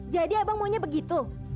jadi abang maunya begitu